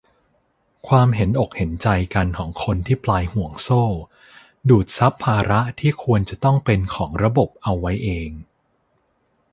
ความเห็นอกเห็นใจกันของคนที่ปลายห่วงโซ่ ดูดซับภาระที่ควรจะต้องเป็นของระบบเอาไว้เอง